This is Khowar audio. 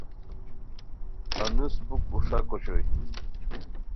انوس پُھک اوݰاک اوشوئے